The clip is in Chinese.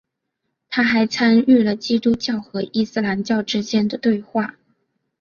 他还参与了基督教和伊斯兰教之间的对话。